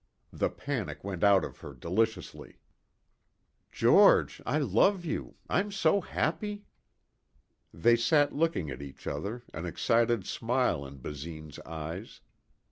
The panic went out of her deliciously. "George, I love you. I'm so happy." They sat looking at each other, an excited smile in Basine's eyes.